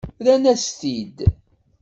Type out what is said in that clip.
Rran-as-t-id.